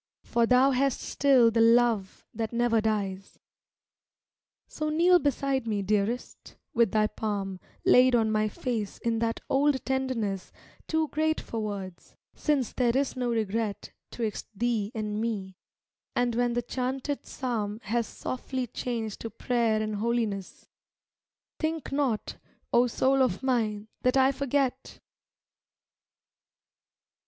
For thou hast still the love that never dies. So kneel beside me, Dearest, with thy palm Laid on my face in that old tender ness Too great for words, since there is no regret 'Twixt thee and me, and when the chanted psalm Has softly changed to prayer and holiness, Think not, oh soul of mine, that I forget